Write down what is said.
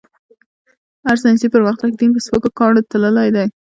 هر ساينسي پرمختګ؛ دين په سپکو کاڼو تللی دی.